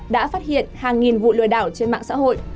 đã phát hiện hàng nghìn vụ lừa đảo trên mạng xã hội